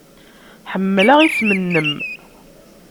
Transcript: Ḥemmleɣ isem-nnem.